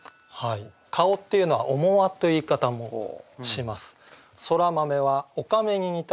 「顔」っていうのは「面輪」という言い方もします。